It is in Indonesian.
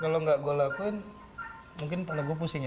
kalau nggak gue lakuin mungkin pada gue pusing ya